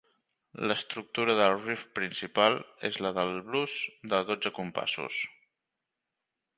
L'estructura del riff principal és la del blues de dotze compassos.